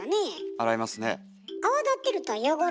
洗いますね。